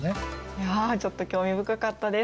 いやちょっと興味深かったです。